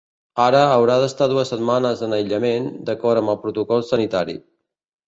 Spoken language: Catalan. Ara haurà d’estar dues setmanes en aïllament, d’acord amb el protocol sanitari.